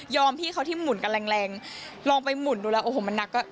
ยอมพี่เขาที่หมุนกันแรงลองไปหมุนดูแล้วมันนักก็